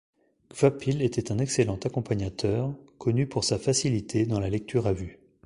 Kvapil était un excellent accompagnateur, connu pour sa facilité dans la lecture à vue.